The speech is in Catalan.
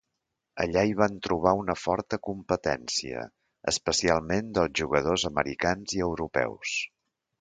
Allà hi van trobar una forta competència, especialment dels jugadors americans i europeus.